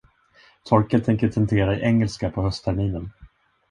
Torkel tänker tentera i engelska på höstterminen.